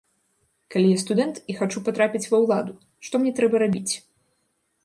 Калі я студэнт і хачу патрапіць ва ўладу, што мне трэба рабіць?